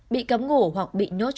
bị cấm ngủ hoặc bị nhốt